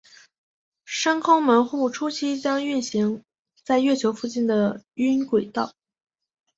深空门户初期将运行在月球附近的晕轨道。